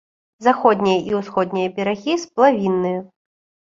Заходнія і ўсходнія берагі сплавінныя.